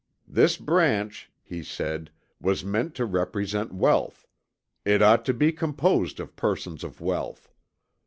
"This branch" he said "was meant to represent wealth; it ought to be composed of persons of wealth."